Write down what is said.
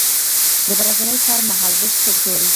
د ورځني کار مهالویش څوک جوړوي؟